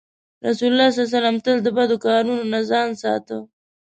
رسول الله ﷺ تل د بدو کارونو نه ځان ساته.